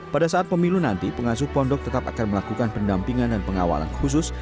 pada saat pemilu nanti pengasuh pondok tetap akan melakukan pendampingan dan pengawalan khusus